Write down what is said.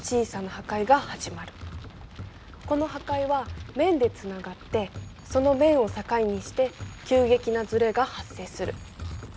この破壊は面でつながってその面を境にして急激なずれが発生する。